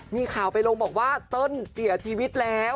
มีข่าวไปลงบอกว่าเติ้ลเสียชีวิตแล้ว